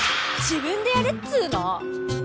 自分でやれっつーの！